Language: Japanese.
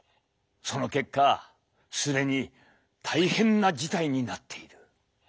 その結果既に大変な事態になっている。